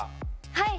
はい。